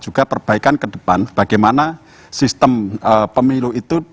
juga perbaikan ke depan bagaimana sistem pemilu itu